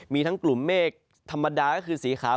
มีทั้งกลุ่มเมฆธรรมดาก็คือสีขาว